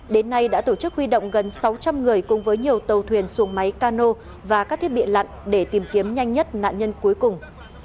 đến nay đã tổ chức huy động gần sáu trăm linh người cùng với nhiều tàu thuyền xuồng máy cano và các thiết bị lặn để tìm kiếm nhanh nhất nạn nhân cuối cùng